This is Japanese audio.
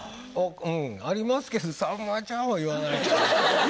うんありますけど「さんまちゃん」は言わない。